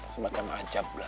semacam acap lah